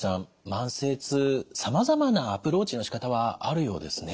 慢性痛さまざまなアプローチのしかたはあるようですね。